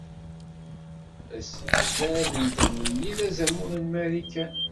Asebdad n Tlelli d azamul n Marikan.